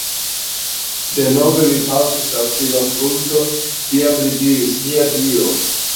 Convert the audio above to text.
Denove li palpis al si la frunton, tiam li diris:-- Mia Dio!